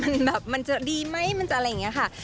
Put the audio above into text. มันแบบมันจะดีไหมมันจะอะไรอย่างนี้ค่ะ